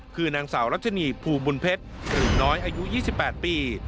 คือนางสาวรัชนีภูมิบุญเพชรหรือน้อยอายุ๒๘ปี